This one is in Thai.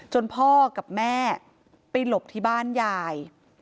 พ่อกับแม่ไปหลบที่บ้านยาย